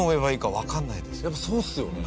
やっぱそうですよね。